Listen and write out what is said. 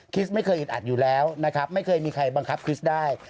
ไม่เคยอึดอัดอยู่แล้วนะครับไม่เคยมีใครบังคับคริสต์ได้